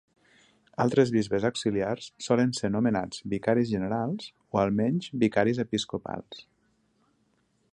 Altres bisbes auxiliars solen ser nomenats vicaris generals o almenys vicaris episcopals.